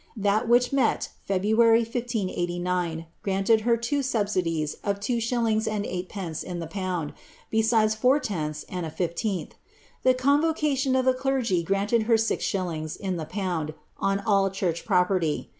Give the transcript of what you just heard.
That which met February 1589, granted her two subsidies of two shil lings and eight pence in the pound, besides four tenths, and a fifteenth. The convocation of the clergy granted her six shillings in the pound on all church property.